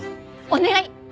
お願い。